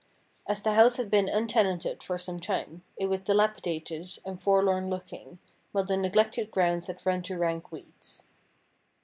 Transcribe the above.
As the house had been untenanted for some time, it was dilapidated and forlorn looking, while the neglected grounds had run to rank weeds.